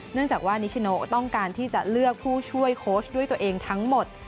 เนื่องจากว่านิชโนต้องการที่จะเลือกผู้ช่วยโค้ชด้วยตัวเองทั้งหมด